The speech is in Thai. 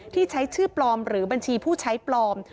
ที่ใช้ชื่อปลอมหรือบัญชีผู้ใช้ปลอม